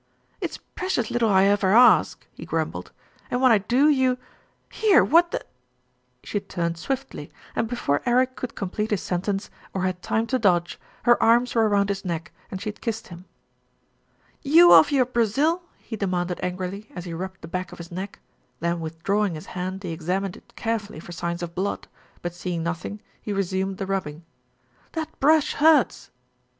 "It's precious little I ever ask," he grumbled, "and when I do you here, what the " She had turned swiftlv and, before Eric could com plete his sentence, or had time to dodge, her arms were round his neck, and she had kissed him. A VILLAGE DIVIDED AGAINST ITSELF 223 "You off your Brazil?" he demanded angrily, as he rubbed the back of his neck, then withdrawing his hand he examined it carefully for signs of blood, but seeing nothing, he resumed the rubbing. "That brush hurts."